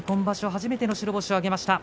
初めての白星を挙げました。